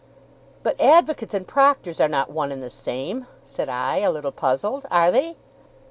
'But advocates and proctors are not one and the same?' said I, a little puzzled. 'Are they?